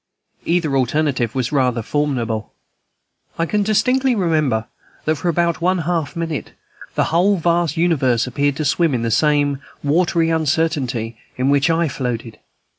Either alternative was rather formidable. I can distinctly remember that for about one half minute the whole vast universe appeared to swim in the same watery uncertainty in which I floated.